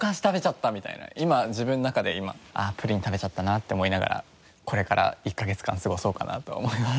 今自分の中で今ああプリン食べちゃったなって思いながらこれから１カ月間過ごそうかなと思います。